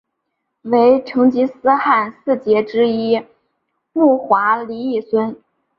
为成吉思汗四杰之一木华黎裔孙。